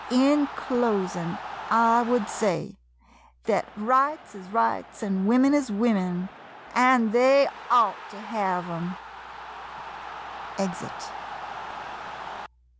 In closin', I would say — thet rights is rights — an' women is women — an' they ought to hev 'em! [Exit.